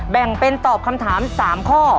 แบ่งเป็นตอบคำถาม๓ข้อ